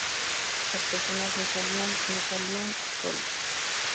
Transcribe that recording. Las personas no salían, no salían solos.